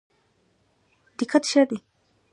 دقت ښه دی.